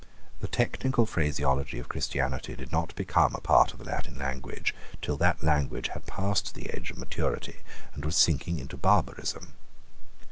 The technical phraseology of Christianity did not become a part of the Latin language till that language had passed the age of maturity and was sinking into barbarism.